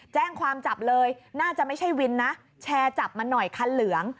แจ้งความจับเลยน่าจะไม่ใช่วินนะแชร์จับมาหน่อยคันเหลือง